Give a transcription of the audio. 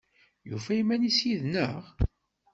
Yufa iman-is yid-neɣ?